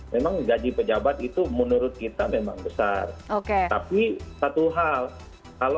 memang gaji pejabat itu menurut kita memang sama memang gaji pejabat itu menurut kita memang sama